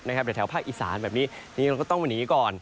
แต่ถ้าเกิดเกิดไปแถวภาคอีสานแบบนี้นี่เราก็ต้องหนีก่อน